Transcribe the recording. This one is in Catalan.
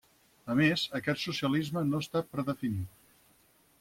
A més, aquest socialisme no està predefinit.